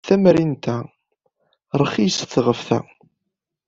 Tamrint-a rxiset ɣef ta.